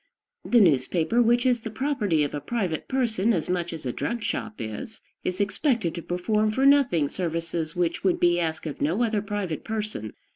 The newspaper, which is the property of a private person as much as a drug shop is, is expected to perform for nothing services which would be asked of no other private person.